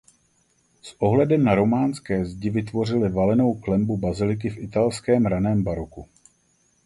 S ohledem na románské zdi vytvořili valenou klenbu baziliky v italském raném baroku.